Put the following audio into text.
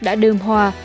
đã đơm hoa